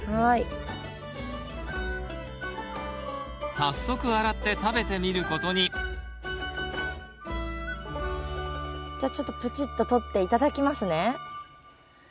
早速洗って食べてみることにじゃちょっとプチッととって頂きますね。